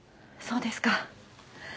そうですか。